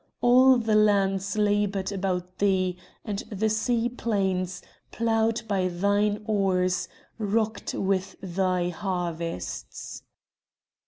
All the lands laboured about thee, and the sea plains, ploughed by thine oars, rocked with thy harvests."